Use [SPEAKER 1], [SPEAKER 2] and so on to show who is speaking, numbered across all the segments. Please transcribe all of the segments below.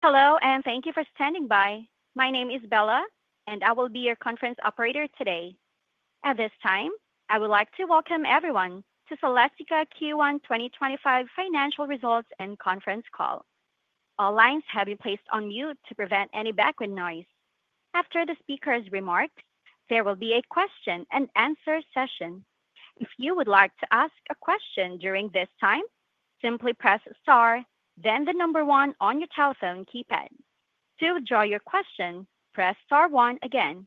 [SPEAKER 1] Hello, and thank you for standing by. My name is Bella, and I will be your conference operator today. At this time, I would like to welcome everyone to Celestica Q1 2025 financial results and conference call. All lines have been placed on mute to prevent any background noise. After the speaker's remarks, there will be a question-and-answer session. If you would like to ask a question during this time, simply press Star, then the number one on your telephone keypad. To draw your question, press Star one again.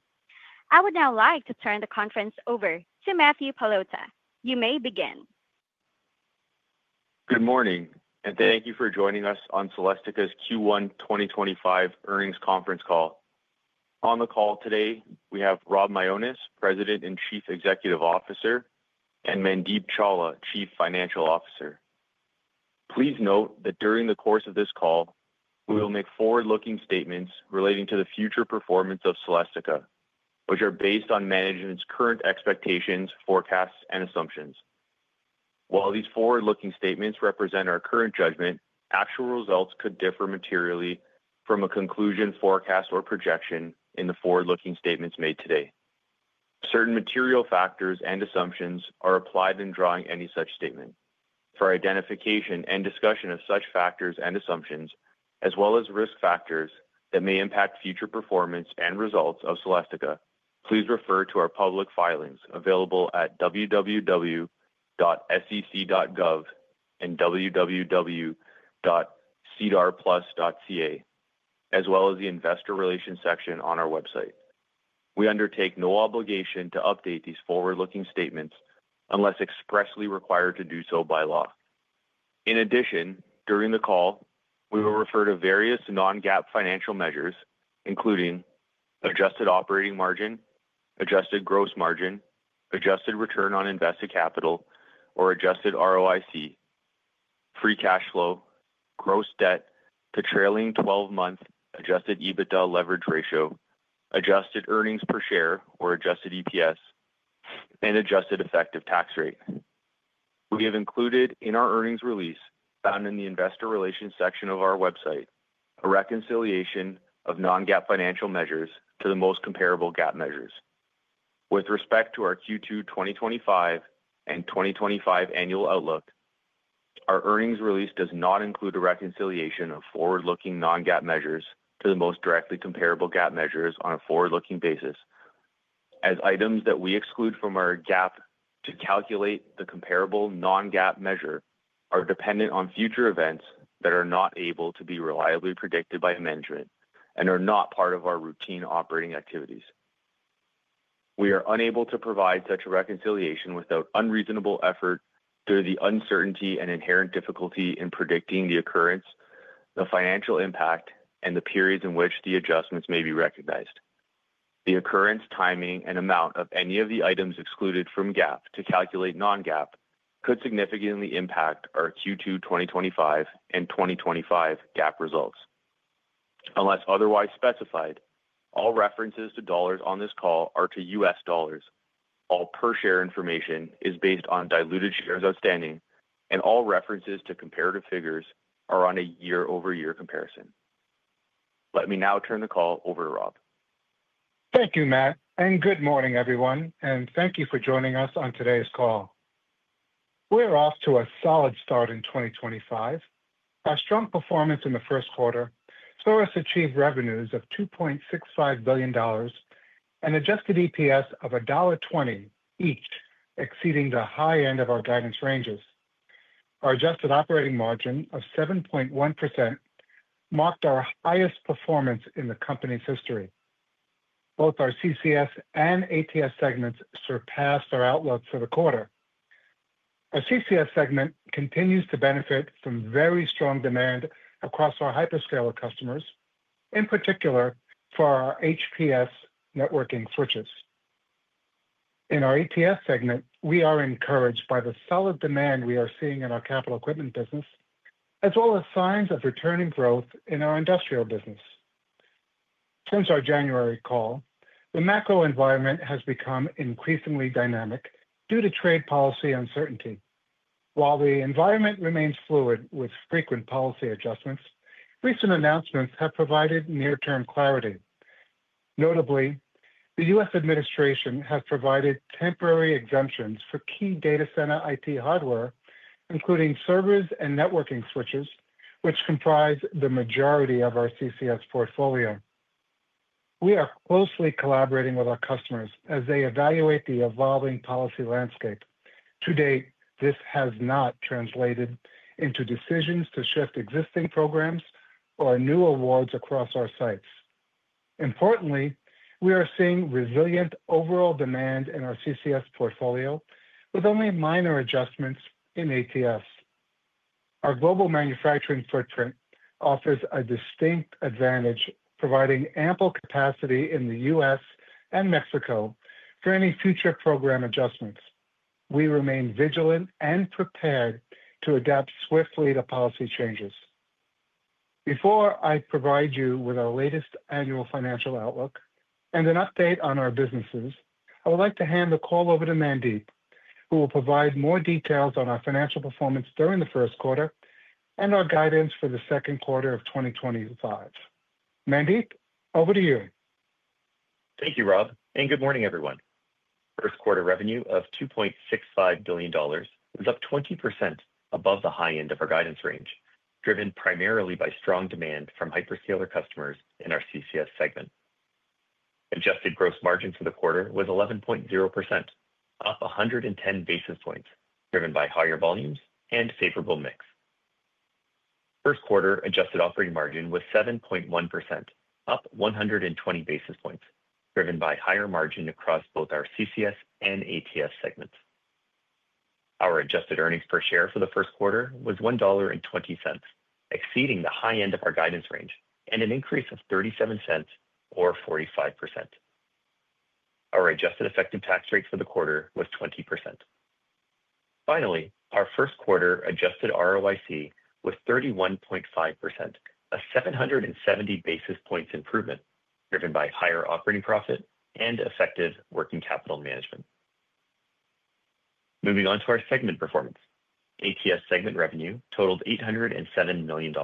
[SPEAKER 1] I would now like to turn the conference over to Matthew Pallotta. You may begin.
[SPEAKER 2] Good morning, and thank you for joining us on Celestica's Q1 2025 earnings conference call. On the call today, we have Rob Mionis, President and Chief Executive Officer, and Mandeep Chawla, Chief Financial Officer. Please note that during the course of this call, we will make forward-looking statements relating to the future performance of Celestica, which are based on management's current expectations, forecasts, and assumptions. While these forward-looking statements represent our current judgment, actual results could differ materially from a conclusion, forecast, or projection in the forward-looking statements made today. Certain material factors and assumptions are applied in drawing any such statement. For identification and discussion of such factors and assumptions, as well as risk factors that may impact future performance and results of Celestica, please refer to our public filings available at www.sec.gov and www.sedarplus.ca, as well as the investor relations section on our website. We undertake no obligation to update these forward-looking statements unless expressly required to do so by law. In addition, during the call, we will refer to various non-GAAP financial measures, including adjusted operating margin, adjusted gross margin, adjusted return on invested capital, or adjusted ROIC, free cash flow, gross debt to trailing 12-month adjusted EBITDA leverage ratio, adjusted earnings per share or adjusted EPS, and adjusted effective tax rate. We have included in our earnings release found in the investor relations section of our website a reconciliation of non-GAAP financial measures to the most comparable GAAP measures. With respect to our Q2 2025 and 2025 annual outlook, our earnings release does not include a reconciliation of forward-looking non-GAAP measures to the most directly comparable GAAP measures on a forward-looking basis, as items that we exclude from our GAAP to calculate the comparable non-GAAP measure are dependent on future events that are not able to be reliably predicted by management and are not part of our routine operating activities. We are unable to provide such a reconciliation without unreasonable effort due to the uncertainty and inherent difficulty in predicting the occurrence, the financial impact, and the periods in which the adjustments may be recognized. The occurrence, timing, and amount of any of the items excluded from GAAP to calculate non-GAAP could significantly impact our Q2 2025 and 2025 GAAP results. Unless otherwise specified, all references to dollars on this call are to U.S. dollars. All per-share information is based on diluted shares outstanding, and all references to comparative figures are on a year-over-year comparison. Let me now turn the call over to Rob.
[SPEAKER 3] Thank you, Matt. Good morning, everyone, and thank you for joining us on today's call. We're off to a solid start in 2025. Our strong performance in the first quarter saw us achieve revenues of $2.65 billion and adjusted EPS of $1.20 each, exceeding the high end of our guidance ranges. Our adjusted operating margin of 7.1% marked our highest performance in the company's history. Both our CCS and ATS segments surpassed our outlook for the quarter. Our CCS segment continues to benefit from very strong demand across our hyperscaler customers, in particular for our HPS networking switches. In our ATS segment, we are encouraged by the solid demand we are seeing in our capital equipment business, as well as signs of returning growth in our industrial business. Since our January call, the macro environment has become increasingly dynamic due to trade policy uncertainty. While the environment remains fluid with frequent policy adjustments, recent announcements have provided near-term clarity. Notably, the U.S. administration has provided temporary exemptions for key data center IT hardware, including servers and networking switches, which comprise the majority of our CCS portfolio. We are closely collaborating with our customers as they evaluate the evolving policy landscape. To date, this has not translated into decisions to shift existing programs or new awards across our sites. Importantly, we are seeing resilient overall demand in our CCS portfolio, with only minor adjustments in ATS. Our global manufacturing footprint offers a distinct advantage, providing ample capacity in the U.S. and Mexico for any future program adjustments. We remain vigilant and prepared to adapt swiftly to policy changes. Before I provide you with our latest annual financial outlook and an update on our businesses, I would like to hand the call over to Mandeep, who will provide more details on our financial performance during the first quarter and our guidance for the second quarter of 2025. Mandeep, over to you.
[SPEAKER 4] Thank you, Rob. Good morning, everyone. First-quarter revenue of $2.65 billion is up 20% above the high end of our guidance range, driven primarily by strong demand from hyperscaler customers in our CCS segment. Adjusted gross margin for the quarter was 11.0%, up 110 basis points, driven by higher volumes and favorable mix. First-quarter adjusted operating margin was 7.1%, up 120 basis points, driven by higher margin across both our CCS and ATS segments. Our adjusted earnings per share for the first quarter was $1.20, exceeding the high end of our guidance range and an increase of 37 cents, or 45%. Our adjusted effective tax rate for the quarter was 20%. Finally, our first-quarter adjusted ROIC was 31.5%, a 770 basis points improvement, driven by higher operating profit and effective working capital management. Moving on to our segment performance, ATS segment revenue totaled $807 million,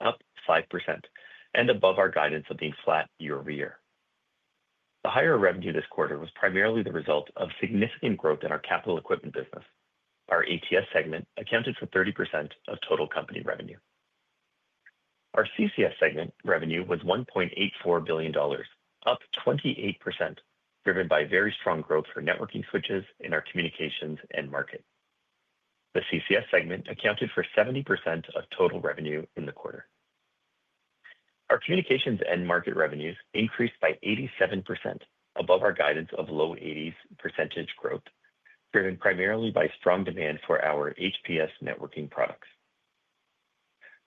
[SPEAKER 4] up 5% and above our guidance of being flat year-over-year. The higher revenue this quarter was primarily the result of significant growth in our capital equipment business. Our ATS segment accounted for 30% of total company revenue. Our CCS segment revenue was $1.84 billion, up 28%, driven by very strong growth for networking switches in our communications end market. The CCS segment accounted for 70% of total revenue in the quarter. Our communications end market revenues increased by 87%, above our guidance of low 80s % growth, driven primarily by strong demand for our HPS networking products.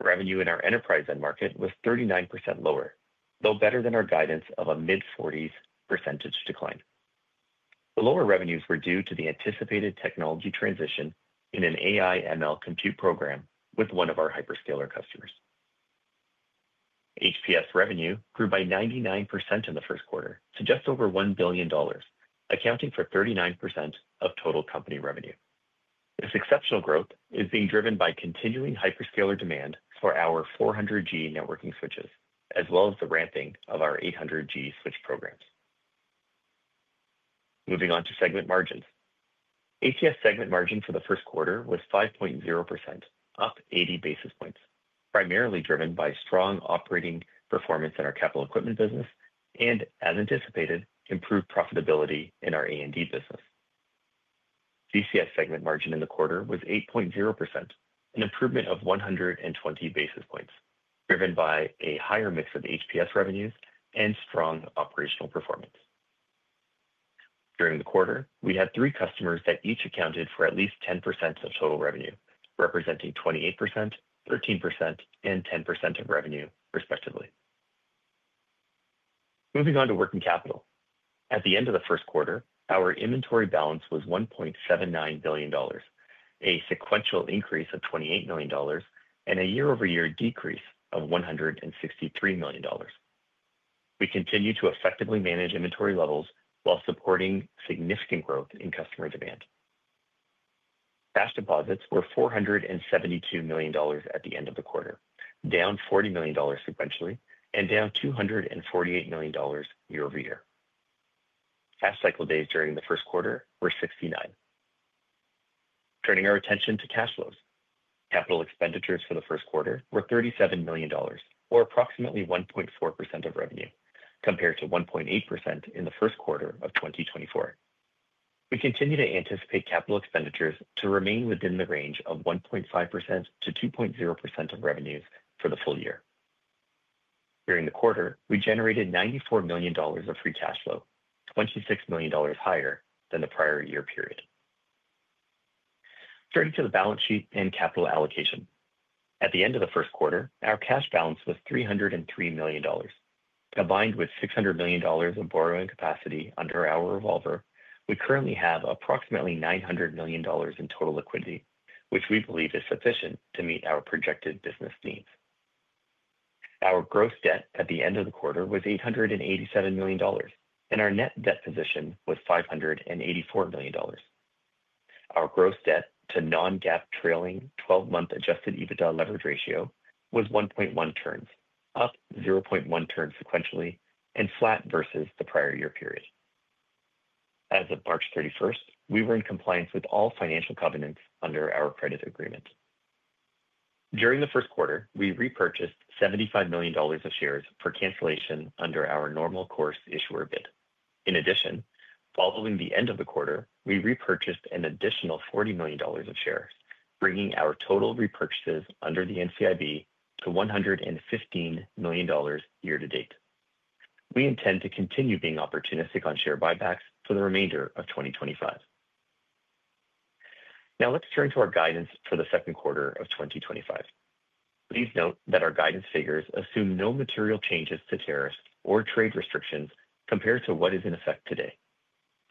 [SPEAKER 4] Revenue in our enterprise end market was 39% lower, though better than our guidance of a mid-40s % decline. The lower revenues were due to the anticipated technology transition in an AI/ML compute program with one of our hyperscaler customers. HPS revenue grew by 99% in the first quarter to just over $1 billion, accounting for 39% of total company revenue. This exceptional growth is being driven by continuing hyperscaler demand for our 400G networking switches, as well as the ramping of our 800G switch programs. Moving on to segment margins, ATS segment margin for the first quarter was 5.0%, up 80 basis points, primarily driven by strong operating performance in our capital equipment business and, as anticipated, improved profitability in our A&D business. CCS segment margin in the quarter was 8.0%, an improvement of 120 basis points, driven by a higher mix of HPS revenues and strong operational performance. During the quarter, we had three customers that each accounted for at least 10% of total revenue, representing 28%, 13%, and 10% of revenue, respectively. Moving on to working capital. At the end of the first quarter, our inventory balance was $1.79 billion, a sequential increase of $28 million, and a year-over-year decrease of $163 million. We continue to effectively manage inventory levels while supporting significant growth in customer demand. Cash deposits were $472 million at the end of the quarter, down $40 million sequentially and down $248 million year-over-year. Cash cycle days during the first quarter were 69. Turning our attention to cash flows, capital expenditures for the first quarter were $37 million, or approximately 1.4% of revenue, compared to 1.8% in the first quarter of 2024. We continue to anticipate capital expenditures to remain within the range of 1.5%-2.0% of revenues for the full year. During the quarter, we generated $94 million of free cash flow, $26 million higher than the prior year period. Turning to the balance sheet and capital allocation, at the end of the first quarter, our cash balance was $303 million. Combined with $600 million of borrowing capacity under our revolver, we currently have approximately $900 million in total liquidity, which we believe is sufficient to meet our projected business needs. Our gross debt at the end of the quarter was $887 million, and our net debt position was $584 million. Our gross debt to non-GAAP trailing 12-month adjusted EBITDA leverage ratio was 1.1 turns, up 0.1 turns sequentially and flat versus the prior year period. As of March 31, we were in compliance with all financial covenants under our credit agreement. During the first quarter, we repurchased $75 million of shares for cancellation under our Normal Course Issuer Bid. In addition, following the end of the quarter, we repurchased an additional $40 million of shares, bringing our total repurchases under the NCIB to $115 million year-to-date. We intend to continue being opportunistic on share buybacks for the remainder of 2025. Now let's turn to our guidance for the second quarter of 2025. Please note that our guidance figures assume no material changes to tariffs or trade restrictions compared to what is in effect today.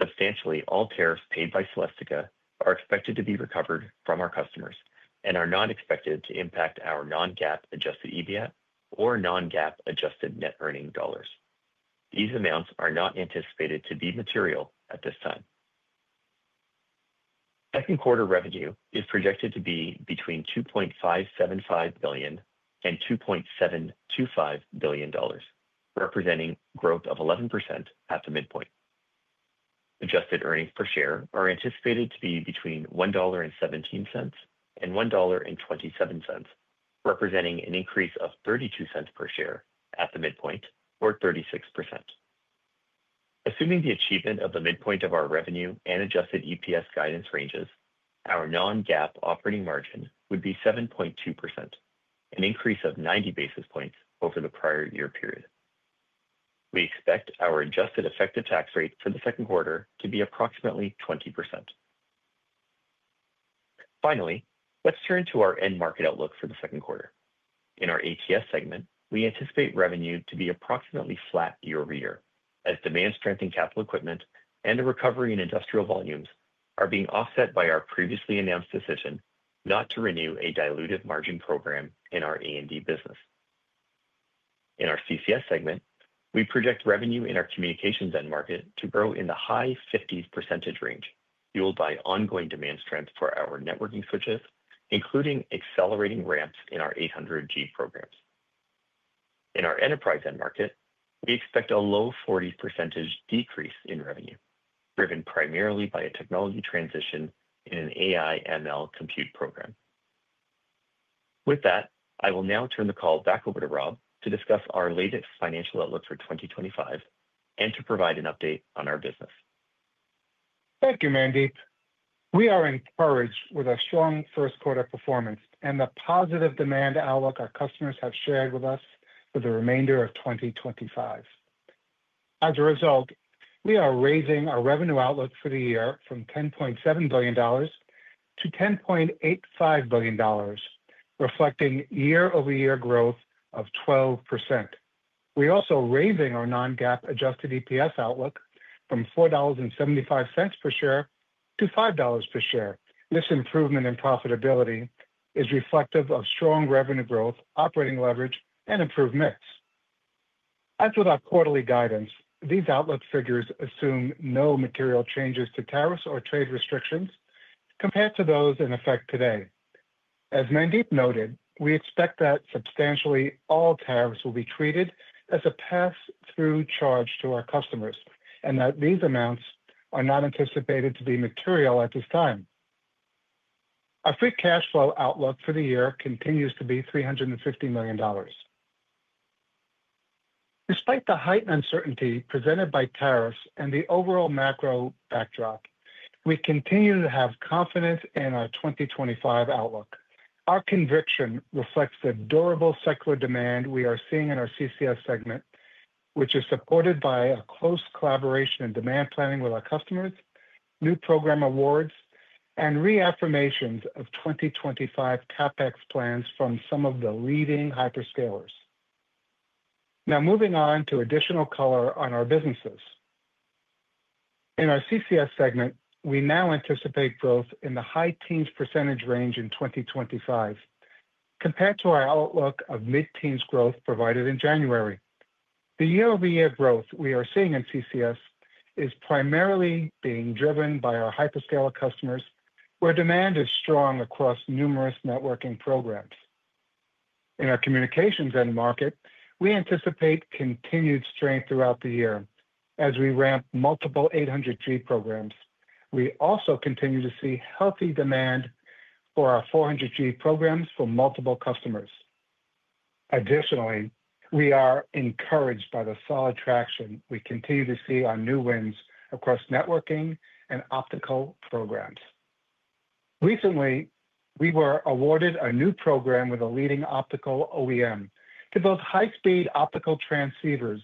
[SPEAKER 4] Substantially, all tariffs paid by Celestica are expected to be recovered from our customers and are not expected to impact our non-GAAP adjusted EBITDA or non-GAAP adjusted net earning dollars. These amounts are not anticipated to be material at this time. Second quarter revenue is projected to be between $2.575 billion and $2.725 billion, representing growth of 11% at the midpoint. Adjusted earnings per share are anticipated to be between $1.17 and $1.27, representing an increase of $0.32 per share at the midpoint, or 36%. Assuming the achievement of the midpoint of our revenue and adjusted EPS guidance ranges, our non-GAAP operating margin would be 7.2%, an increase of 90 basis points over the prior year period. We expect our adjusted effective tax rate for the second quarter to be approximately 20%. Finally, let's turn to our end market outlook for the second quarter. In our ATS segment, we anticipate revenue to be approximately flat year-over-year, as demand-strengthened capital equipment and a recovery in industrial volumes are being offset by our previously announced decision not to renew a diluted margin program in our A&D business. In our CCS segment, we project revenue in our communications end market to grow in the high 50% range, fueled by ongoing demand strength for our networking switches, including accelerating ramps in our 800G programs. In our enterprise end market, we expect a low 40% decrease in revenue, driven primarily by a technology transition in an AI/ML compute program. With that, I will now turn the call back over to Rob to discuss our latest financial outlook for 2025 and to provide an update on our business.
[SPEAKER 3] Thank you, Mandeep. We are encouraged with our strong first-quarter performance and the positive demand outlook our customers have shared with us for the remainder of 2025. As a result, we are raising our revenue outlook for the year from $10.7 billion to $10.85 billion, reflecting year-over-year growth of 12%. We are also raising our non-GAAP adjusted EPS outlook from $4.75 per share to $5 per share. This improvement in profitability is reflective of strong revenue growth, operating leverage, and improved mix. As with our quarterly guidance, these outlook figures assume no material changes to tariffs or trade restrictions compared to those in effect today. As Mandeep noted, we expect that substantially all tariffs will be treated as a pass-through charge to our customers and that these amounts are not anticipated to be material at this time. Our free cash flow outlook for the year continues to be $350 million. Despite the heightened uncertainty presented by tariffs and the overall macro backdrop, we continue to have confidence in our 2025 outlook. Our conviction reflects the durable cycle of demand we are seeing in our CCS segment, which is supported by a close collaboration in demand planning with our customers, new program awards, and reaffirmations of 2025 CapEx plans from some of the leading hyperscalers. Now moving on to additional color on our businesses. In our CCS segment, we now anticipate growth in the high teens % range in 2025, compared to our outlook of mid-teens % growth provided in January. The year-over-year growth we are seeing in CCS is primarily being driven by our hyperscaler customers, where demand is strong across numerous networking programs. In our communications end market, we anticipate continued strength throughout the year as we ramp multiple 800G programs. We also continue to see healthy demand for our 400G programs for multiple customers. Additionally, we are encouraged by the solid traction we continue to see on new wins across networking and optical programs. Recently, we were awarded a new program with a leading optical OEM to build high-speed optical transceivers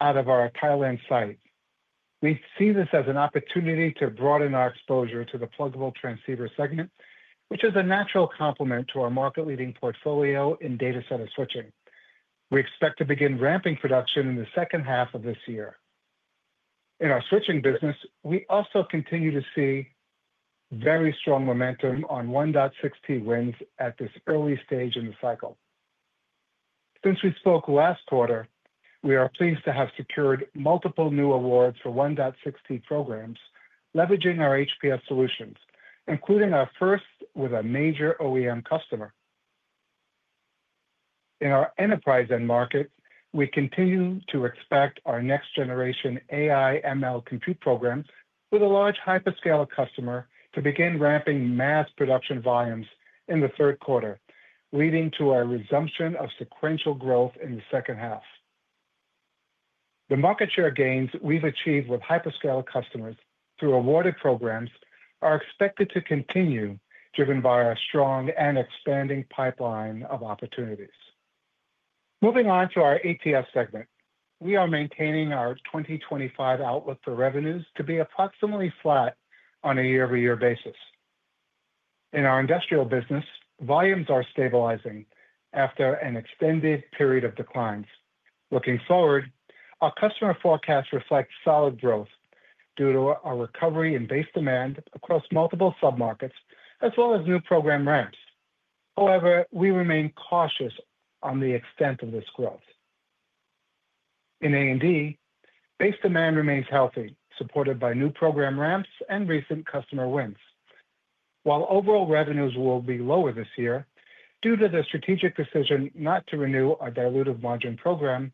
[SPEAKER 3] out of our Thailand site. We see this as an opportunity to broaden our exposure to the pluggable transceiver segment, which is a natural complement to our market-leading portfolio in data center switching. We expect to begin ramping production in the second half of this year. In our switching business, we also continue to see very strong momentum on 1.6T wins at this early stage in the cycle. Since we spoke last quarter, we are pleased to have secured multiple new awards for 1.6T programs, leveraging our HPS solutions, including our first with a major OEM customer. In our enterprise end market, we continue to expect our next-generation AI/ML compute programs with a large hyperscaler customer to begin ramping mass production volumes in the third quarter, leading to our resumption of sequential growth in the second half. The market share gains we've achieved with hyperscaler customers through awarded programs are expected to continue, driven by our strong and expanding pipeline of opportunities. Moving on to our ATS segment, we are maintaining our 2025 outlook for revenues to be approximately flat on a year-over-year basis. In our industrial business, volumes are stabilizing after an extended period of declines. Looking forward, our customer forecasts reflect solid growth due to our recovery in base demand across multiple sub-markets, as well as new program ramps. However, we remain cautious on the extent of this growth. In A&D, base demand remains healthy, supported by new program ramps and recent customer wins. While overall revenues will be lower this year due to the strategic decision not to renew our diluted margin program,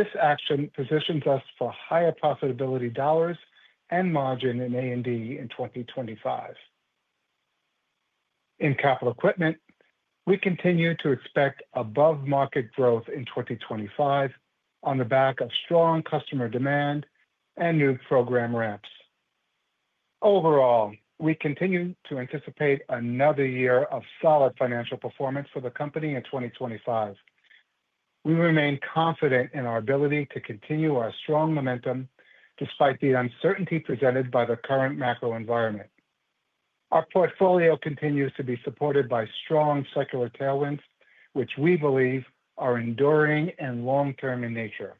[SPEAKER 3] this action positions us for higher profitability dollars and margin in A&D in 2025. In capital equipment, we continue to expect above-market growth in 2025 on the back of strong customer demand and new program ramps. Overall, we continue to anticipate another year of solid financial performance for the company in 2025. We remain confident in our ability to continue our strong momentum despite the uncertainty presented by the current macro environment. Our portfolio continues to be supported by strong secular tailwinds, which we believe are enduring and long-term in nature.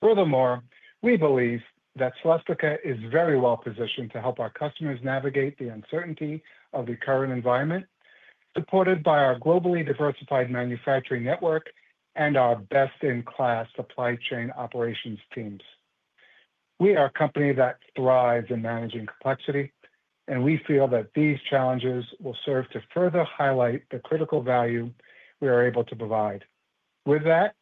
[SPEAKER 3] Furthermore, we believe that Celestica is very well positioned to help our customers navigate the uncertainty of the current environment, supported by our globally diversified manufacturing network and our best-in-class supply chain operations teams. We are a company that thrives in managing complexity, and we feel that these challenges will serve to further highlight the critical value we are able to provide. With that,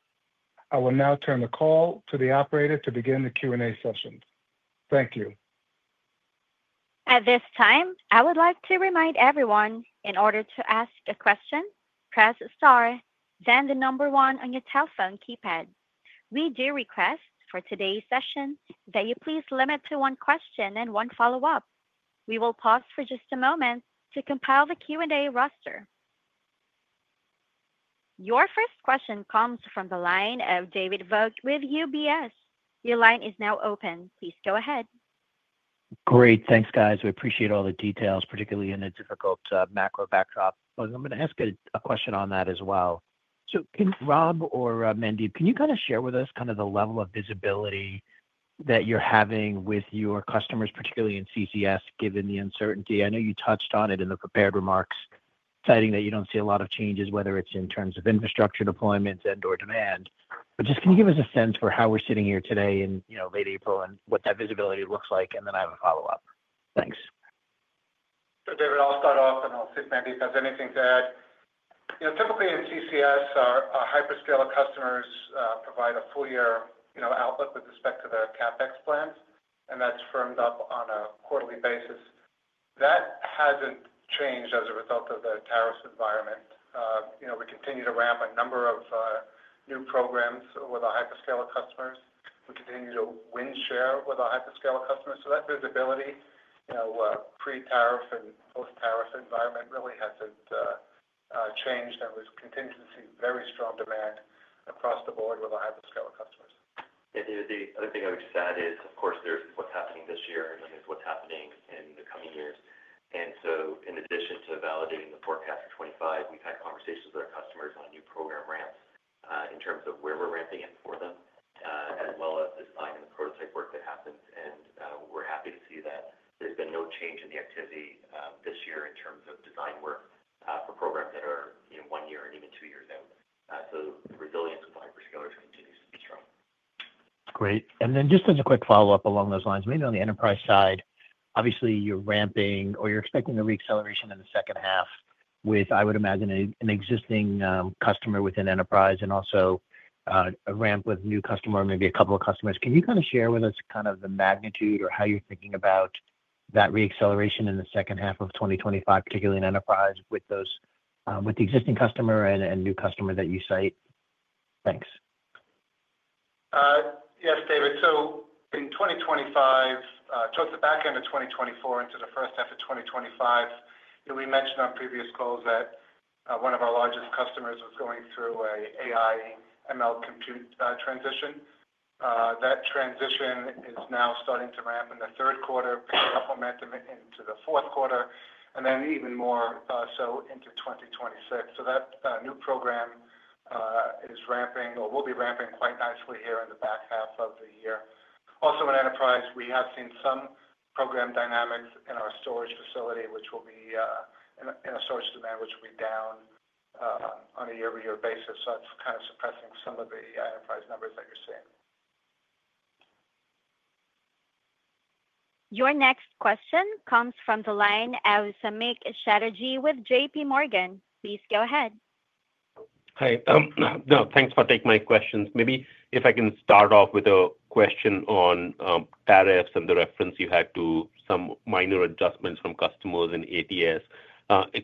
[SPEAKER 3] I will now turn the call to the operator to begin the Q&A session. Thank you.
[SPEAKER 1] At this time, I would like to remind everyone, in order to ask a question, press star, then the number one on your telephone keypad. We do request for today's session that you please limit to one question and one follow-up. We will pause for just a moment to compile the Q&A roster. Your first question comes from the line of David Vogt with UBS. Your line is now open. Please go ahead.
[SPEAKER 5] Great. Thanks, guys. We appreciate all the details, particularly in the difficult macro backdrop. I am going to ask a question on that as well. Rob or Mandeep, can you kind of share with us kind of the level of visibility that you're having with your customers, particularly in CCS, given the uncertainty? I know you touched on it in the prepared remarks, citing that you do not see a lot of changes, whether it is in terms of infrastructure deployments and/or demand. Just can you give us a sense for how we are sitting here today in late April and what that visibility looks like? I have a follow-up. Thanks.
[SPEAKER 3] David, I'll start off, and I'll see if Mandeep has anything to add. Typically, in CCS, our hyperscaler customers provide a full-year outlook with respect to their CapEx plans, and that's firmed up on a quarterly basis. That hasn't changed as a result of the tariff environment. We continue to ramp a number of new programs with our hyperscaler customers. We continue to win share with our hyperscaler customers. That visibility, pre-tariff and post-tariff environment, really hasn't changed, and we continue to see very strong demand across the board with our hyperscaler customers.
[SPEAKER 4] The other thing I would just add is, of course, there's what's happening this year, and then there's what's happening in the coming years. In addition to validating the forecast for 2025, we've had conversations with our customers on new program ramps in terms of where we're ramping it for them, as well as the design and the prototype work that happens. We're happy to see that there's been no change in the activity this year in terms of design work for programs that are one year and even two years out. The resilience with the hyperscalers continues to be strong.
[SPEAKER 5] Great. Just as a quick follow-up along those lines, maybe on the enterprise side, obviously you're ramping or you're expecting a reacceleration in the second half with, I would imagine, an existing customer within enterprise and also a ramp with a new customer or maybe a couple of customers. Can you kind of share with us the magnitude or how you're thinking about that reacceleration in the second half of 2025, particularly in enterprise, with the existing customer and new customer that you cite? Thanks.
[SPEAKER 3] Yes, David. In 2025, towards the back end of 2024 into the first half of 2025, we mentioned on previous calls that one of our largest customers was going through an AI/ML compute transition. That transition is now starting to ramp in the third quarter, picking up momentum into the fourth quarter, and then even more so into 2026. That new program is ramping or will be ramping quite nicely here in the back half of the year. Also, in enterprise, we have seen some program dynamics in our storage facility, which will be in a storage demand, which will be down on a year-over-year basis. That is kind of suppressing some of the enterprise numbers that you're seeing.
[SPEAKER 1] Your next question comes from the line of Samik Chatterjee with JPMorgan. Please go ahead.
[SPEAKER 6] Hi. No, thanks for taking my questions. Maybe if I can start off with a question on tariffs and the reference you had to some minor adjustments from customers in ATS.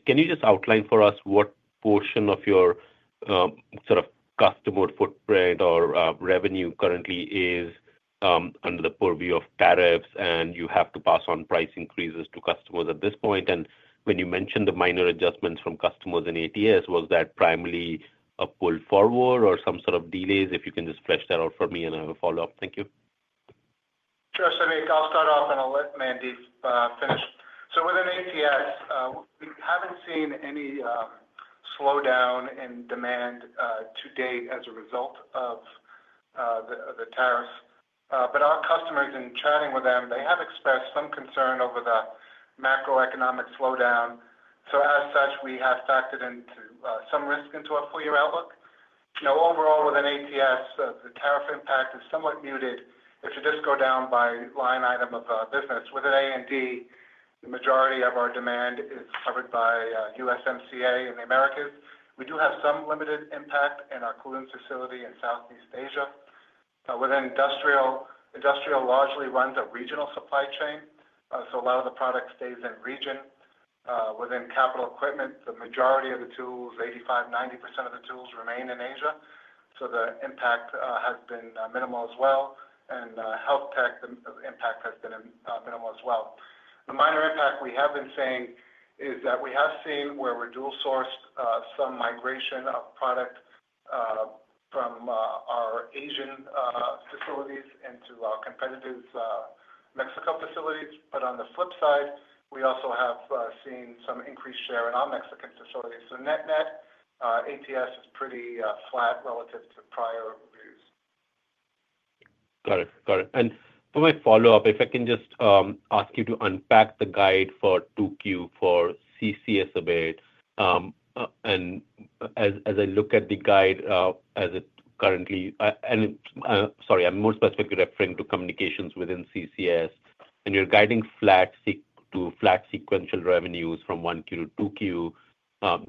[SPEAKER 6] Can you just outline for us what portion of your sort of customer footprint or revenue currently is under the purview of tariffs, and you have to pass on price increases to customers at this point? When you mentioned the minor adjustments from customers in ATS, was that primarily a pull forward or some sort of delays? If you can just flesh that out for me I will follow up. Thank you.
[SPEAKER 3] Sure. Samik, I'll start off, and I'll let Mandeep finish. Within ATS, we haven't seen any slowdown in demand to date as a result of the tariffs. Our customers, in chatting with them, have expressed some concern over the macroeconomic slowdown. As such, we have factored in some risk into our full-year outlook. Overall, within ATS, the tariff impact is somewhat muted. If you just go down by line item of business, within A&D, the majority of our demand is covered by USMCA in the Americas. We do have some limited impact in our cooling facility in Southeast Asia. Within industrial, industrial largely runs a regional supply chain, so a lot of the product stays in region. Within capital equipment, the majority of the tools, 85%-90% of the tools, remain in Asia. The impact has been minimal as well. Health tech, the impact has been minimal as well. The minor impact we have been seeing is that we have seen where we're dual-sourced some migration of product from our Asian facilities into our competitors' Mexico facilities. On the flip side, we also have seen some increased share in our Mexican facilities. Net-net, ATS is pretty flat relative to prior views.
[SPEAKER 6] Got it. Got it. For my follow-up, if I can just ask you to unpack the guide for 2Q for CCS a bit. As I look at the guide as it currently—sorry, I am more specifically referring to communications within CCS—you are guiding flat to flat sequential revenues from 1Q-2Q,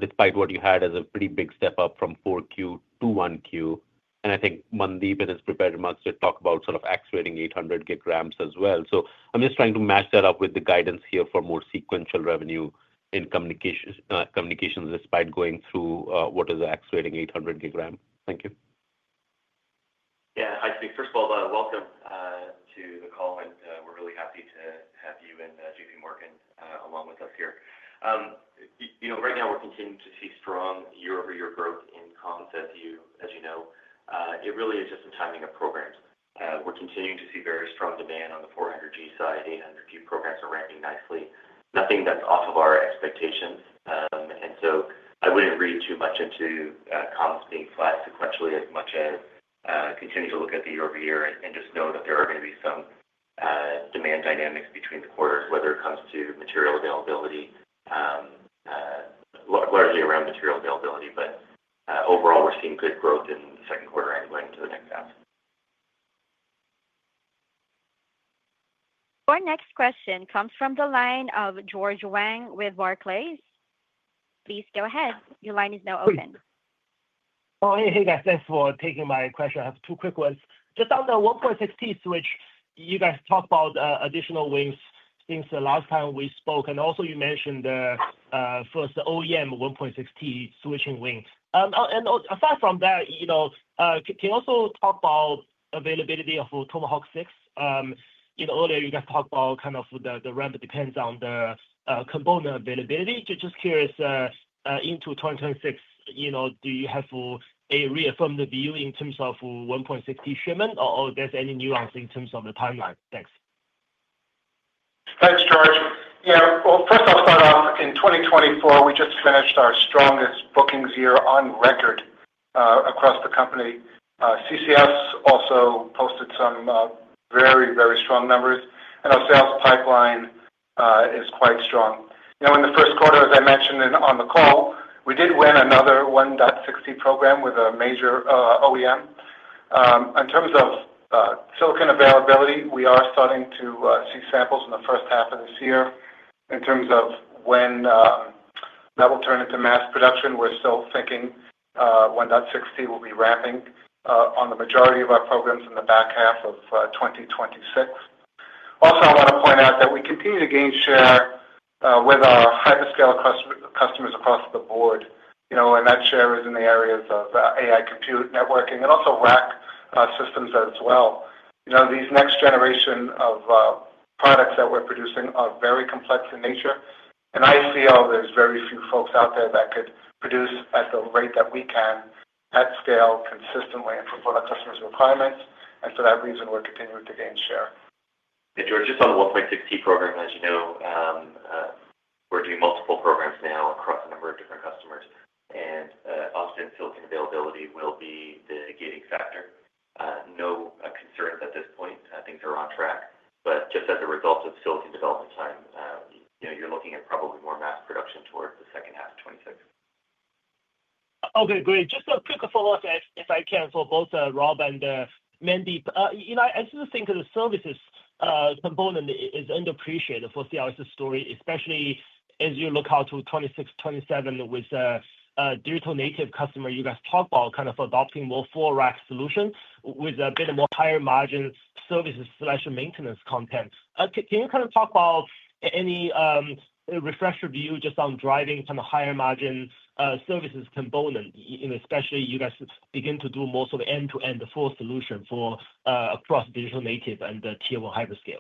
[SPEAKER 6] despite what you had as a pretty big step up from 4Q-1Q. I think Mandeep in his prepared remarks did talk about sort of accelerating 800G ramps as well. I am just trying to match that up with the guidance here for more sequential revenue in communications despite going through what is accelerating 800G ramp. Thank you.
[SPEAKER 4] Yeah. Hi, Samik. First of all, welcome to the call, and we're really happy to have you and JPMorgan along with us here. Right now, we're continuing to see strong year-over-year growth in comms, as you know. It really is just the timing of programs. We're continuing to see very strong demand on the 400G side. 800G programs are ramping nicely. Nothing that's off of our expectations. I wouldn't read too much into comms being flat sequentially as much as continuing to look at the year-over-year and just know that there are going to be some demand dynamics between the quarters, whether it comes to material availability, largely around material availability. Overall, we're seeing good growth in the second quarter and going into the next half.
[SPEAKER 1] Our next question comes from the line of George Wang with Barclays. Please go ahead. Your line is now open.
[SPEAKER 7] Oh, hey, guys. Thanks for taking my question. I have two quick ones. Just on the 1.6T switch, you guys talked about additional wins since the last time we spoke. You also mentioned the first OEM 1.6T switching win. Aside from that, can you also talk about availability of Tomahawk 6? Earlier, you guys talked about kind of the ramp depends on the component availability. Just curious, into 2026, do you have a reaffirmed view in terms of 1.6T shipment, or there's any nuance in terms of the timeline? Thanks.
[SPEAKER 3] Thanks, George. Yeah. First, I'll start off. In 2024, we just finished our strongest bookings year on record across the company. CCS also posted some very, very strong numbers. Our sales pipeline is quite strong. In the first quarter, as I mentioned on the call, we did win another 1.6T program with a major OEM. In terms of silicon availability, we are starting to see samples in the first half of this year. In terms of when that will turn into mass production, we're still thinking 1.6T will be ramping on the majority of our programs in the back half of 2026. I want to point out that we continue to gain share with our hyperscale customers across the board. That share is in the areas of AI compute networking and also rack systems as well. These next-generation of products that we're producing are very complex in nature. I feel there's very few folks out there that could produce at the rate that we can at scale consistently and fulfill our customers' requirements. For that reason, we're continuing to gain share.
[SPEAKER 4] George, just on the 1.6T program, as you know, we're doing multiple programs now across a number of different customers. Often, silicon availability will be the gating factor. No concerns at this point. Things are on track. Just as a result of silicon development time, you're looking at probably more mass production towards the second half of 2026.
[SPEAKER 7] Okay. Great. Just a quick follow-up, if I can, for both Rob and Mandeep. I do think the services component is underappreciated for Celestica's story, especially as you look out to 2026, 2027 with digital native customers. You guys talked about kind of adopting more full rack solutions with a bit more higher margin services/maintenance content. Can you kind of talk about any refresher view just on driving kind of higher margin services component, especially you guys begin to do more sort of end-to-end full solution across digital native and the Tier 1 hyperscale?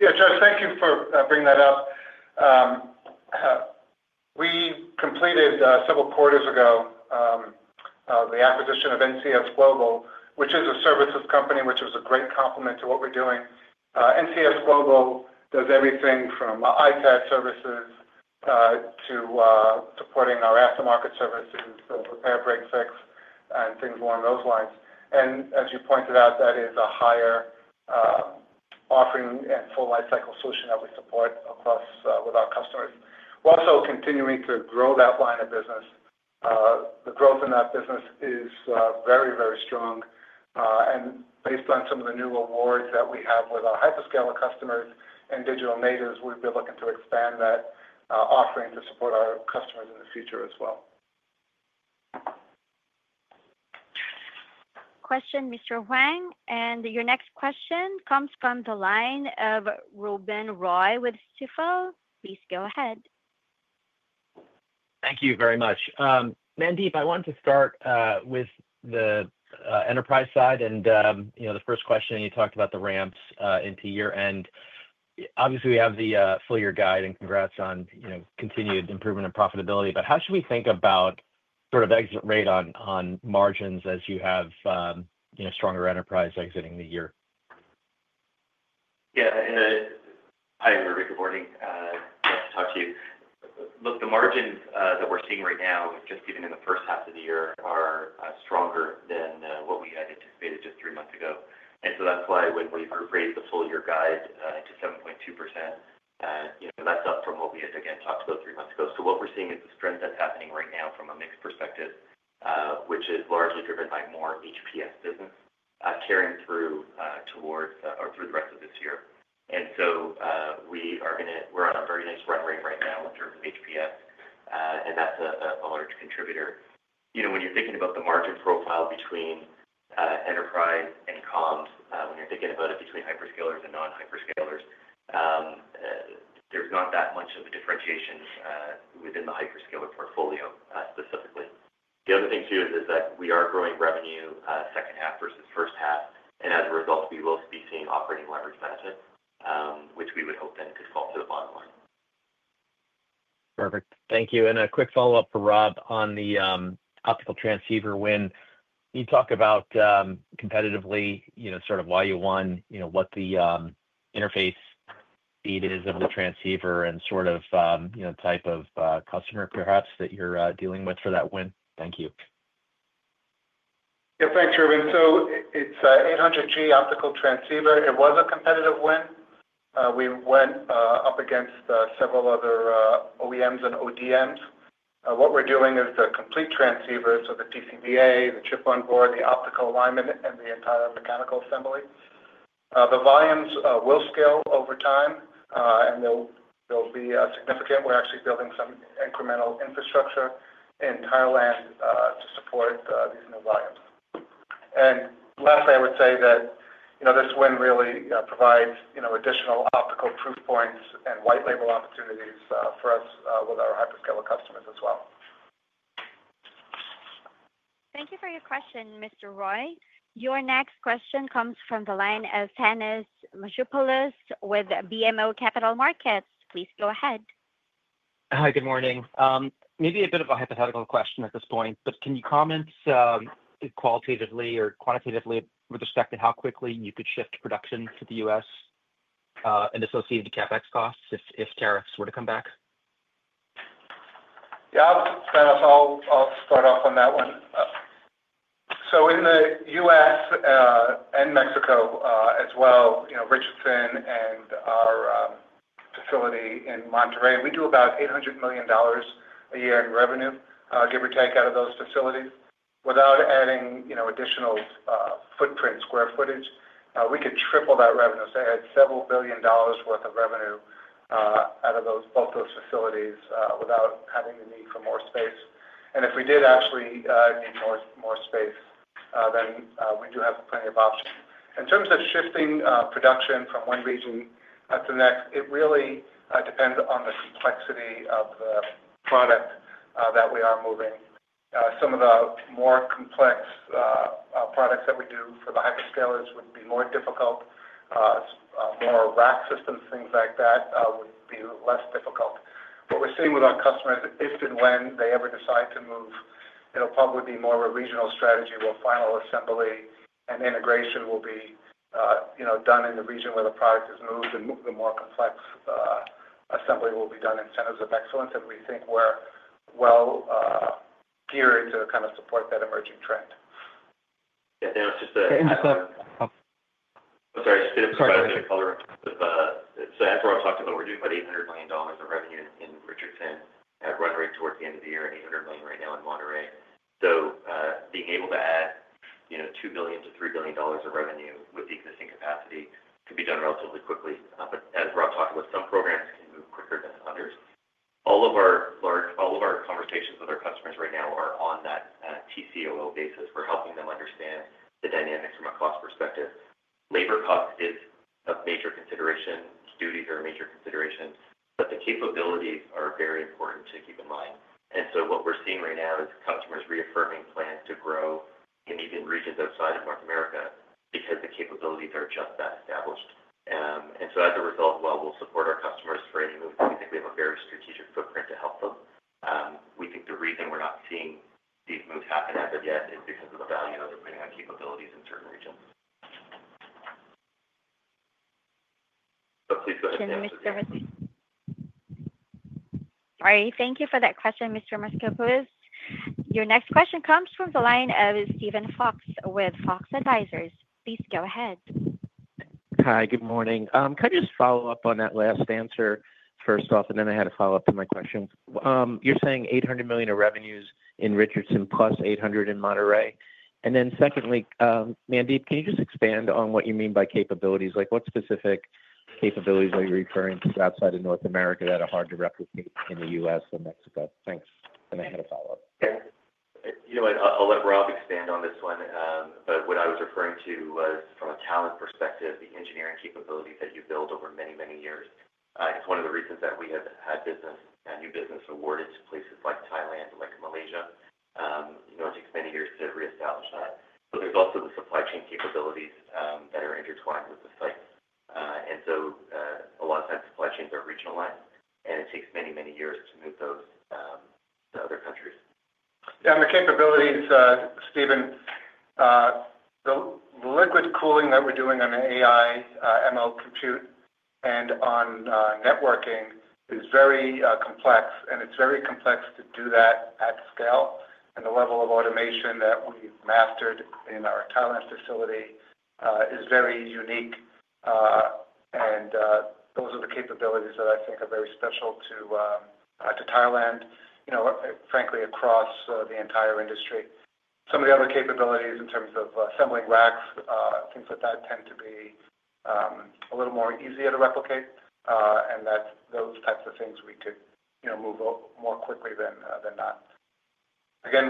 [SPEAKER 3] Yeah. George, thank you for bringing that up. We completed several quarters ago the acquisition of NCS Global, which is a services company, which is a great complement to what we're doing. NCS Global does everything from ITAD services to supporting our aftermarket services, repair, break, fix, and things along those lines. As you pointed out, that is a higher offering and full lifecycle solution that we support with our customers. We're also continuing to grow that line of business. The growth in that business is very, very strong. Based on some of the new awards that we have with our hyperscaler customers and digital natives, we've been looking to expand that offering to support our customers in the future as well.
[SPEAKER 1] Question, Mr. Wang. Your next question comes from the line of Ruben Roy with Stifel. Please go ahead.
[SPEAKER 8] Thank you very much. Mandeep, I wanted to start with the enterprise side. The first question, you talked about the ramps into year-end. Obviously, we have the full-year guide, and congrats on continued improvement and profitability. How should we think about sort of exit rate on margins as you have stronger enterprise exiting the year?
[SPEAKER 4] Yeah. Hi, everybody. Good morning. Nice to talk to you. Look, the margins that we're seeing right now, just even in the first half of the year, are stronger than what we had anticipated just three months ago. That is why when we've raised the full-year guide to 7.2%, that's up from what we had, again, talked about three months ago. What we're seeing is the trend that's happening right now from a mixed perspective, which is largely driven by more HPS business carrying through towards or through the rest of this year. We are on a very nice run rate right now in terms of HPS, and that's a large contributor. When you're thinking about the margin profile between enterprise and comms, when you're thinking about it between hyperscalers and non-hyperscalers, there's not that much of a differentiation within the hyperscaler portfolio specifically. The other thing, too, is that we are growing revenue second half versus first half. As a result, we will be seeing operating leverage benefits, which we would hope then could fall to the bottom line.
[SPEAKER 8] Perfect. Thank you. A quick follow-up for Rob on the optical transceiver win. Can you talk about competitively sort of why you won, what the interface speed is of the transceiver, and sort of type of customer perhaps that you're dealing with for that win? Thank you.
[SPEAKER 3] Yeah. Thanks, Ruben. It's an 800G optical transceiver. It was a competitive win. We went up against several other OEMs and ODMs. What we're doing is the complete transceiver, so the PCBA, the chip on board, the optical alignment, and the entire mechanical assembly. The volumes will scale over time, and they'll be significant. We're actually building some incremental infrastructure in Thailand to support these new volumes. Lastly, I would say that this win really provides additional optical proof points and white-label opportunities for us with our hyperscaler customers as well.
[SPEAKER 1] Thank you for your question, Mr. Roy. Your next question comes from the line of Thanos Moschopoulos with BMO Capital Markets. Please go ahead.
[SPEAKER 9] Hi, good morning. Maybe a bit of a hypothetical question at this point, but can you comment qualitatively or quantitatively with respect to how quickly you could shift production to the U.S. and associated CapEx costs if tariffs were to come back?
[SPEAKER 3] Yeah. I'll start off on that one. In the U.S. and Mexico as well, Richardson and our facility in Monterrey, we do about $800 million a year in revenue, give or take, out of those facilities. Without adding additional footprint, square footage, we could triple that revenue. I could have several billion dollars' worth of revenue out of both those facilities without having the need for more space. If we did actually need more space, we do have plenty of options. In terms of shifting production from one region to the next, it really depends on the complexity of the product that we are moving. Some of the more complex products that we do for the hyperscalers would be more difficult. More rack systems, things like that, would be less difficult. What we're seeing with our customers, if and when they ever decide to move, it'll probably be more of a regional strategy where final assembly and integration will be done in the region where the product is moved, and the more complex assembly will be done in centers of excellence that we think we're well geared to kind of support that emerging trend.
[SPEAKER 4] Yeah. That was just a.
[SPEAKER 9] Hey, I'm clipped.
[SPEAKER 4] I'm sorry. I just did a quick question.
[SPEAKER 9] Sorry.
[SPEAKER 4] As Rob talked about, we're doing about $800 million of revenue in Richardson at run rate towards the end of the year and $800 million right now in Monterrey. Being able to add $2 billion-$3 billion of revenue with the existing capacity could be done relatively quickly. As Rob talked about, some programs can move quicker than others. All of our conversations with our customers right now are on that TCO basis. We're helping them understand the dynamics from a cost perspective. Labor cost is a major consideration. Duties are a major consideration. The capabilities are very important to keep in mind. What we're seeing right now is customers reaffirming plans to grow in even regions outside of North America because the capabilities are just that established. As a result, while we'll support our customers for any move, we think we have a very strategic footprint to help them. We think the reason we're not seeing these moves happen as of yet is because of the value that they're putting on capabilities in certain regions. Please go ahead and ask again.
[SPEAKER 1] All right. Thank you for that question, Mr. Moschopoulos. Your next question comes from the line of Steven Fox with Fox Advisors. Please go ahead.
[SPEAKER 10] Hi, good morning. Can I just follow up on that last answer first off? I had a follow-up to my question. You're saying $800 million of revenues in Richardson plus $800 million in Monterrey. Mandeep, can you just expand on what you mean by capabilities? What specific capabilities are you referring to outside of North America that are hard to replicate in the U.S. and Mexico? Thanks. I had a follow-up.
[SPEAKER 4] Yeah. I'll let Rob expand on this one. What I was referring to was, from a talent perspective, the engineering capabilities that you build over many, many years. It's one of the reasons that we have had new business awarded to places like Thailand and like Malaysia. It takes many years to reestablish that. There's also the supply chain capabilities that are intertwined with the sites. A lot of times, supply chains are regionalized, and it takes many, many years to move those to other countries.
[SPEAKER 10] Yeah. The capabilities, Steven, the liquid cooling that we're doing on the AI/ML compute and on networking is very complex. It is very complex to do that at scale. The level of automation that we've mastered in our Thailand facility is very unique. Those are the capabilities that I think are very special to Thailand, frankly, across the entire industry. Some of the other capabilities in terms of assembling racks, things like that, tend to be a little more easier to replicate. Those types of things, we could move more quickly than not.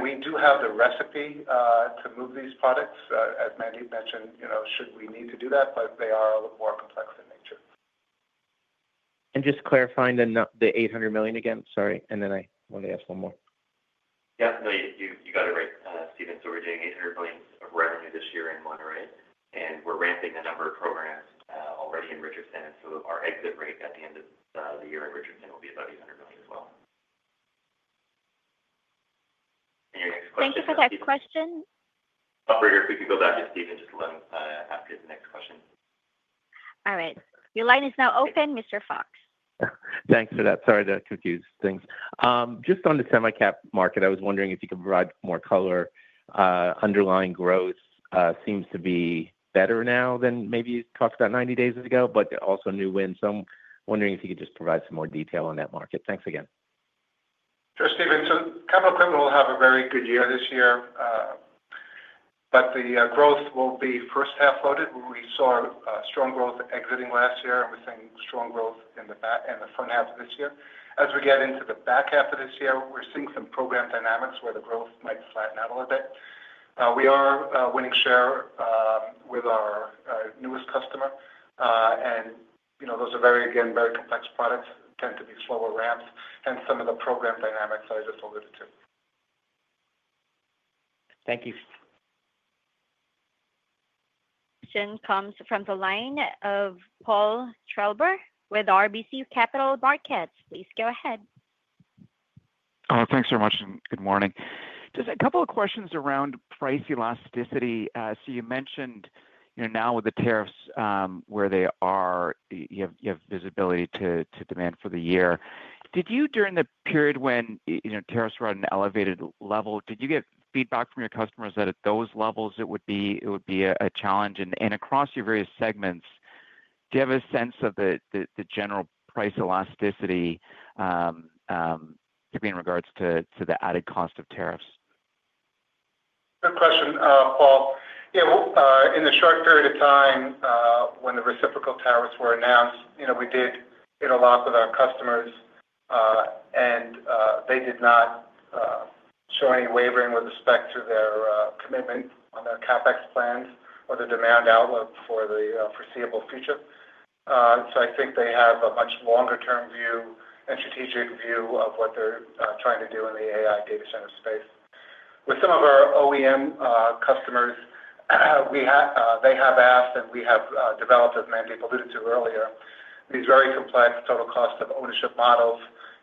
[SPEAKER 10] We do have the recipe to move these products, as Mandeep mentioned, should we need to do that. They are a little more complex in nature. Just clarifying the $800 million again. Sorry. I wanted to ask one more.
[SPEAKER 4] Yeah. No, you got it right, Steven. We're doing $800 million of revenue this year in Monterrey. We're ramping the number of programs already in Richardson. Our exit rate at the end of the year in Richardson will be about $800 million as well. Your next question is the.
[SPEAKER 1] Thank you for that question.
[SPEAKER 4] Oh, Roger, if we can go back to Steven just to let him ask his next question.
[SPEAKER 1] All right. Your line is now open, Mr. Fox.
[SPEAKER 10] Thanks for that. Sorry to confuse things. Just on the semicap market, I was wondering if you could provide more color. Underlying growth seems to be better now than maybe you talked about 90 days ago, but also new wins. I was wondering if you could just provide some more detail on that market. Thanks again.
[SPEAKER 3] Sure, Steven. Capital equipment will have a very good year this year. The growth will be first half-loaded. We saw strong growth exiting last year, and we're seeing strong growth in the front half of this year. As we get into the back half of this year, we're seeing some program dynamics where the growth might flatten out a little bit. We are winning share with our newest customer. Those are, again, very complex products, tend to be slower ramped, and some of the program dynamics I just alluded to.
[SPEAKER 10] Thank you.
[SPEAKER 1] Question comes from the line of Paul Treiber with RBC Capital Markets. Please go ahead.
[SPEAKER 11] Thanks very much. Good morning. Just a couple of questions around price elasticity. You mentioned now with the tariffs where they are, you have visibility to demand for the year. During the period when tariffs were at an elevated level, did you get feedback from your customers that at those levels, it would be a challenge? Across your various segments, do you have a sense of the general price elasticity, particularly in regards to the added cost of tariffs?
[SPEAKER 3] Good question, Paul. Yeah. In the short period of time when the reciprocal tariffs were announced, we did interlock with our customers, and they did not show any wavering with respect to their commitment on their CapEx plans or the demand outlook for the foreseeable future. I think they have a much longer-term view and strategic view of what they're trying to do in the AI data center space. With some of our OEM customers, they have asked, and we have developed, as Mandeep alluded to earlier, these very complex total cost of ownership models.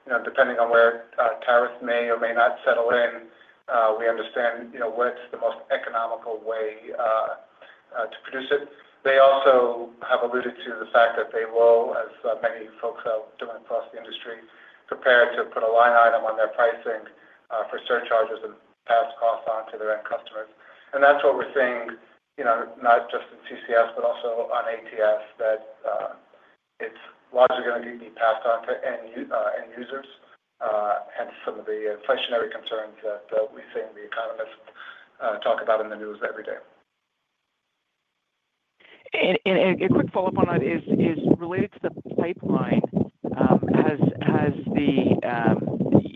[SPEAKER 3] Depending on where tariffs may or may not settle in, we understand what's the most economical way to produce it. They also have alluded to the fact that they will, as many folks are doing across the industry, prepare to put a line item on their pricing for surcharges and pass costs on to their end customers. That is what we're seeing, not just in CCS, but also on ATS, that it's largely going to be passed on to end users, hence some of the inflationary concerns that we've seen the economists talk about in the news every day.
[SPEAKER 11] A quick follow-up on that is related to the pipeline.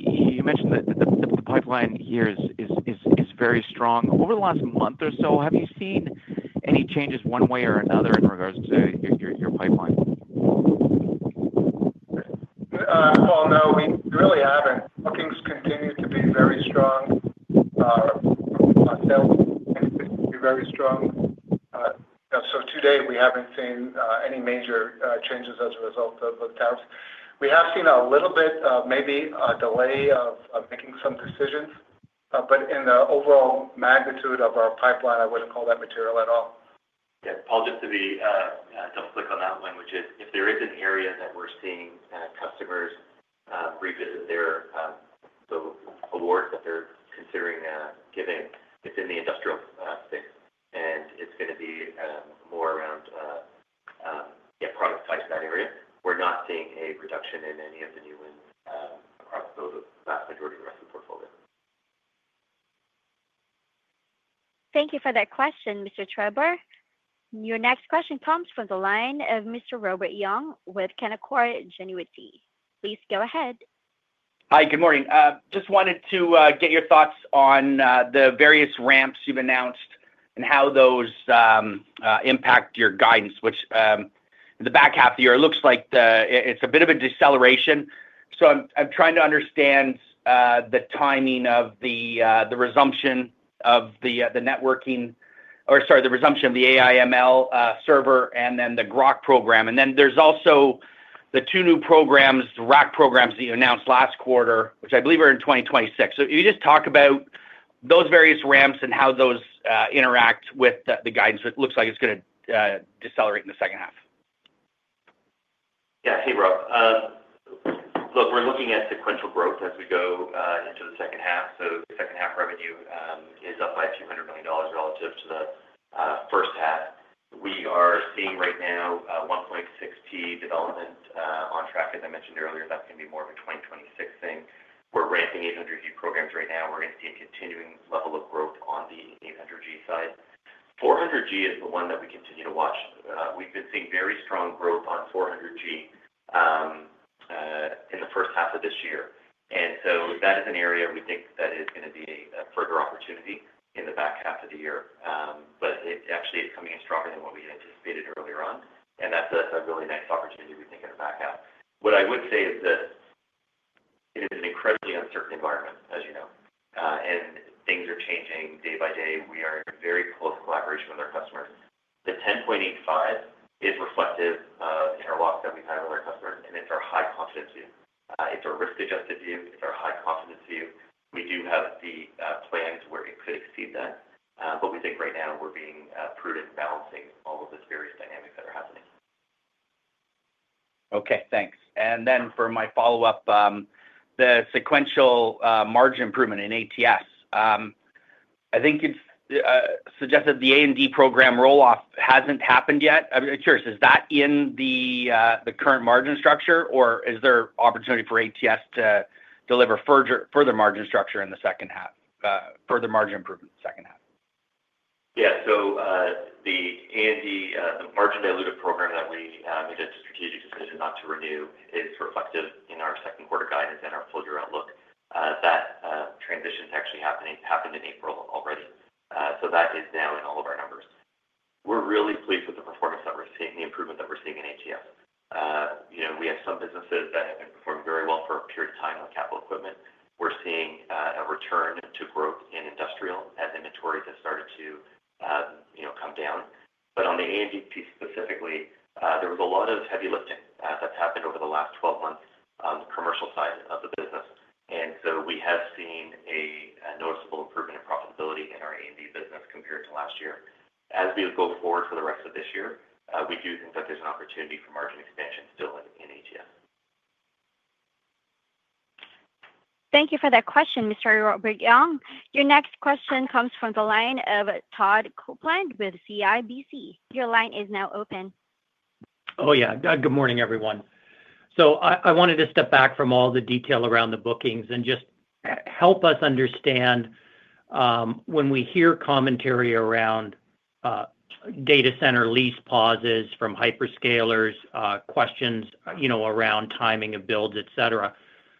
[SPEAKER 11] You mentioned that the pipeline here is very strong. Over the last month or so, have you seen any changes one way or another in regards to your pipeline?
[SPEAKER 3] Paul, no, we really haven't. Bookings continue to be very strong. Sales continue to be very strong. To date, we haven't seen any major changes as a result of the tariffs. We have seen a little bit of maybe a delay of making some decisions. In the overall magnitude of our pipeline, I wouldn't call that material at all.
[SPEAKER 4] Yeah. Paul, just to double-click on that one, which is if there is an area that we're seeing customers revisit their awards that they're considering giving, it's in the industrial space. It's going to be more around product size in that area. We're not seeing a reduction in any of the new wins across the vast majority of the rest of the portfolio.
[SPEAKER 1] Thank you for that question, Mr. Treiber. Your next question comes from the line of Mr. Robert Young with Canaccord Genuity. Please go ahead.
[SPEAKER 12] Hi, good morning. Just wanted to get your thoughts on the various ramps you've announced and how those impact your guidance, which in the back half of the year, it looks like it's a bit of a deceleration. I am trying to understand the timing of the resumption of the networking or sorry, the resumption of the AI/ML server and then the Groq program. There are also the two new programs, the rack programs that you announced last quarter, which I believe are in 2026. If you just talk about those various ramps and how those interact with the guidance, it looks like it's going to decelerate in the second half.
[SPEAKER 4] Yeah. Hey, Rob. Look, we're looking at sequential growth as we go into the second half. The second half revenue is up by $200 million relative to the first half. We are seeing right now 1.6T development on track, as I mentioned earlier. That's going to be more of a 2026 thing. We're ramping 800G programs right now. We're going to see a continuing level of growth on the 800G side. 400G is the one that we continue to watch. We've been seeing very strong growth on 400G in the first half of this year. That is an area we think that is going to be a further opportunity in the back half of the year. It actually is coming in stronger than what we anticipated earlier on. That's a really nice opportunity, we think, in the back half. What I would say is that it is an incredibly uncertain environment, as you know. Things are changing day by day. We are in very close collaboration with our customers. The $10.85 is reflective of the interlock that we've had with our customers. It's our high confidence view. It's our risk-adjusted view. It's our high confidence view. We do have the plans where it could exceed that. We think right now we're being prudent in balancing all of these various dynamics that are happening.
[SPEAKER 12] Okay. Thanks. For my follow-up, the sequential margin improvement in ATS. I think it's suggested the A&D program rolloff hasn't happened yet. I'm curious, is that in the current margin structure, or is there opportunity for ATS to deliver further margin structure in the second half, further margin improvement in the second half?
[SPEAKER 4] Yeah. The A&D, the margin diluted program that we made a strategic decision not to renew, is reflective in our second quarter guidance and our full-year outlook. That transition's actually happened in April already. That is now in all of our numbers. We're really pleased with the performance that we're seeing, the improvement that we're seeing in ATS. We have some businesses that have been performing very well for a period of time on capital equipment. We're seeing a return to growth in industrial as inventories have started to come down. On the A&D piece specifically, there was a lot of heavy lifting that's happened over the last 12 months on the commercial side of the business. We have seen a noticeable improvement in profitability in our A&D business compared to last year. As we go forward for the rest of this year, we do think that there's an opportunity for margin expansion still in ATS.
[SPEAKER 1] Thank you for that question, Mr. Robert Young. Your next question comes from the line of Todd Coupland with CIBC. Your line is now open.
[SPEAKER 13] Oh, yeah. Good morning, everyone. I wanted to step back from all the detail around the bookings and just help us understand when we hear commentary around data center lease pauses from hyperscalers, questions around timing of builds, etc.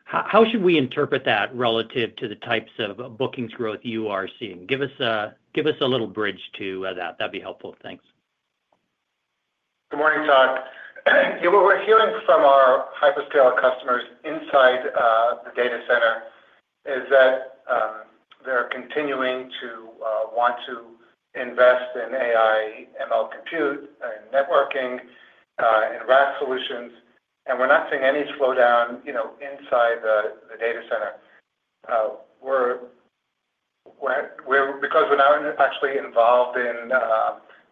[SPEAKER 13] How should we interpret that relative to the types of bookings growth you are seeing? Give us a little bridge to that. That'd be helpful. Thanks.
[SPEAKER 3] Good morning, Todd. Yeah. What we're hearing from our hyperscaler customers inside the data center is that they're continuing to want to invest in AI/ML compute and networking and rack solutions. We're not seeing any slowdown inside the data center. Because we're not actually involved in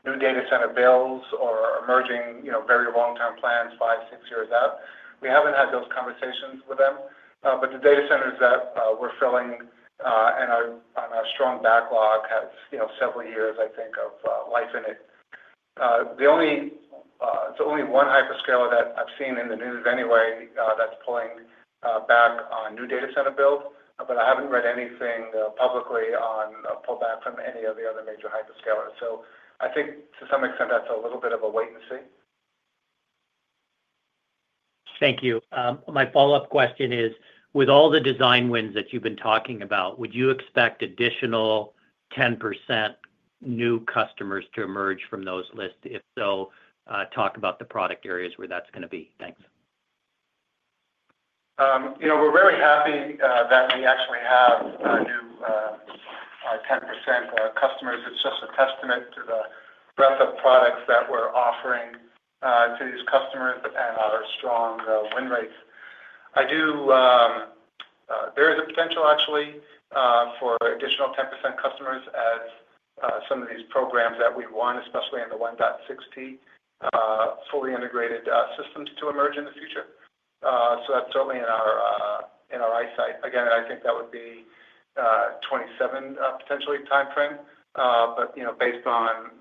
[SPEAKER 3] new data center builds or emerging very long-term plans five, six years out, we haven't had those conversations with them. The data centers that we're filling and our strong backlog has several years, I think, of life in it. It's only one hyperscaler that I've seen in the news anyway that's pulling back on new data center builds. I haven't read anything publicly on a pullback from any of the other major hyperscalers. I think to some extent, that's a little bit of a wait and see.
[SPEAKER 13] Thank you. My follow-up question is, with all the design wins that you've been talking about, would you expect additional 10% new customers to emerge from those lists? If so, talk about the product areas where that's going to be. Thanks.
[SPEAKER 3] We're very happy that we actually have new 10% customers. It's just a testament to the breadth of products that we're offering to these customers and our strong win rates. There is a potential, actually, for additional 10% customers as some of these programs that we want, especially in the 1.6T fully integrated systems, to emerge in the future. That is certainly in our eyesight. Again, I think that would be 2027 potentially time frame. Based on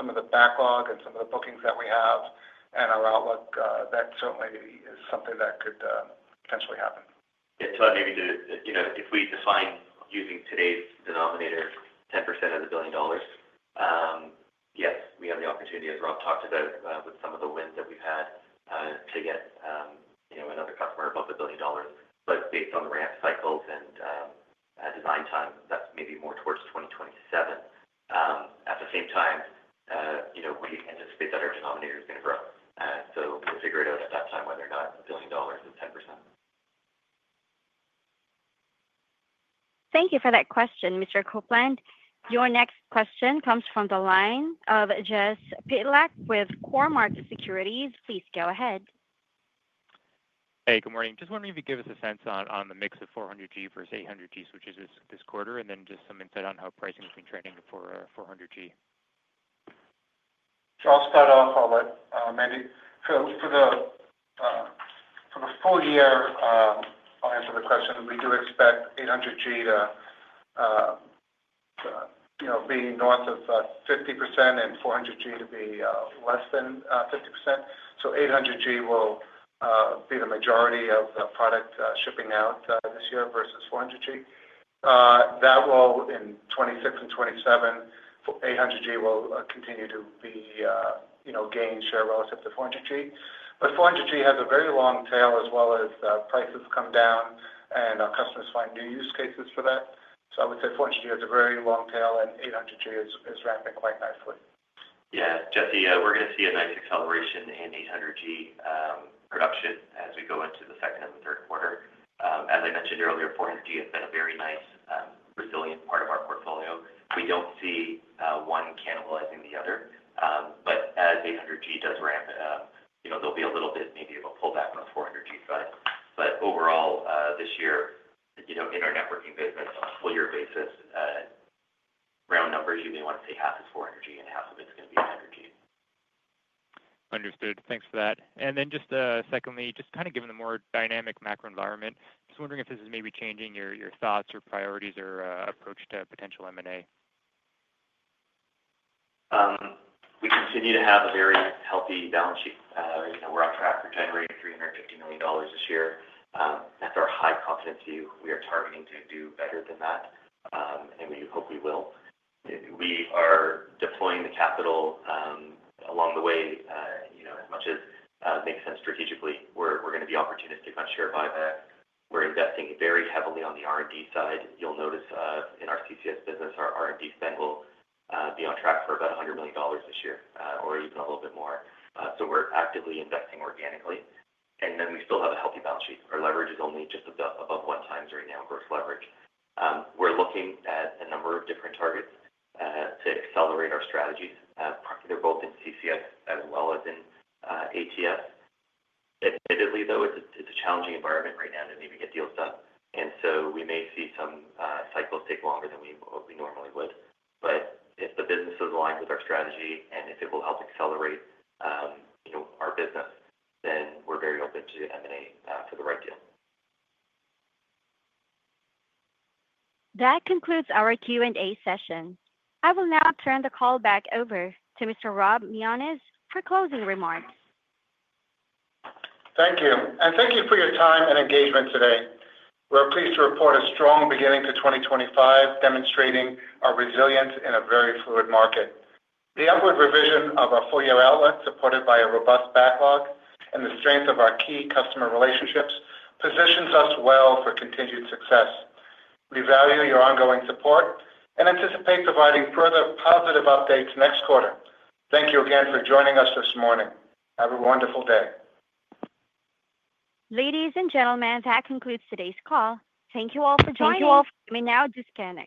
[SPEAKER 3] some of the backlog and some of the bookings that we have and our outlook, that certainly is something that could potentially happen.
[SPEAKER 4] Yeah. Todd, maybe if we define using today's denominator, 10% of the billion dollars, yes, we have the opportunity, as Rob talked about, with some of the wins that we've had to get another customer above the billion dollars. Based on the ramp cycles and design time, that's maybe more towards 2027. At the same time, we anticipate that our denominator is going to grow. We'll figure it out at that time whether or not the billion dollars is 10%.
[SPEAKER 1] Thank you for that question, Mr. Coupland. Your next question comes from the line of Jesse Pytlak with Cormark Securities. Please go ahead.
[SPEAKER 14] Hey, good morning. Just wondering if you could give us a sense on the mix of 400G versus 800G switches this quarter, and then just some insight on how pricing has been trending for 400G.
[SPEAKER 3] To start us off, I'll let Mandeep. For the full-year answer to the question, we do expect 800G to be north of 50% and 400G to be less than 50%. 800G will be the majority of the product shipping out this year versus 400G. In 2026 and 2027, 800G will continue to gain share relative to 400G. 400G has a very long tail as prices come down and our customers find new use cases for that. I would say 400G has a very long tail and 800G is ramping quite nicely.
[SPEAKER 4] Yeah. Jesse, we're going to see a nice acceleration in 800G production as we go into the second and the third quarter. As I mentioned earlier, 400G has been a very nice, resilient part of our portfolio. We don't see one cannibalizing the other. As 800G does ramp, there'll be a little bit maybe of a pullback on the 400G side. Overall, this year, in our networking business on a full-year basis, round numbers, you may want to say half is 400G and half of it's going to be 800G.
[SPEAKER 14] Understood. Thanks for that. Just secondly, just kind of given the more dynamic macro environment, just wondering if this is maybe changing your thoughts or priorities or approach to potential M&A.
[SPEAKER 4] We continue to have a very healthy balance sheet. We're on track for generating $350 million this year. At our high confidence view, we are targeting to do better than that. We hope we will. We are deploying the capital along the way as much as makes sense strategically. We're going to be opportunistic on share buyback. We're investing very heavily on the R&D side. You'll notice in our CCS business, our R&D spend will be on track for about $100 million this year or even a little bit more. We're actively investing organically. We still have a healthy balance sheet. Our leverage is only just above one times right now gross leverage. We're looking at a number of different targets to accelerate our strategies. They're both in CCS as well as in ATS. Admittedly, though, it's a challenging environment right now to maybe get deals done. We may see some cycles take longer than we normally would. If the business is aligned with our strategy and if it will help accelerate our business, then we're very open to M&A for the right deal.
[SPEAKER 1] That concludes our Q&A session. I will now turn the call back over to Mr. Rob Mionis for closing remarks.
[SPEAKER 3] Thank you. Thank you for your time and engagement today. We're pleased to report a strong beginning to 2025, demonstrating our resilience in a very fluid market. The upward revision of our full-year outlook, supported by a robust backlog and the strength of our key customer relationships, positions us well for continued success. We value your ongoing support and anticipate providing further positive updates next quarter. Thank you again for joining us this morning. Have a wonderful day.
[SPEAKER 1] Ladies and gentlemen, that concludes today's call. Thank you all for joining.
[SPEAKER 3] Thank you all for coming.
[SPEAKER 1] Now, just a second.